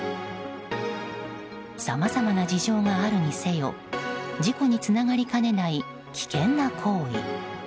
さまざまな事情があるにせよ事故につながりかねない危険な行為。